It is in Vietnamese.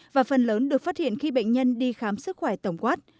và phần lớn được phát hiện khi bệnh nhân đi khám sức khỏe tổng quát